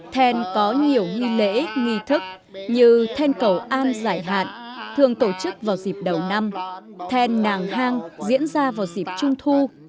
then có nhiều nghi lễ nghi thức như then cầu an giải hạn thường tổ chức vào dịp đầu năm then nàng hang diễn ra vào dịp trung thu